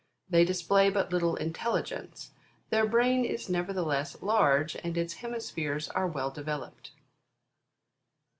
They display but little intelligence. Their brain is nevertheless large, and its hemispheres are well developed.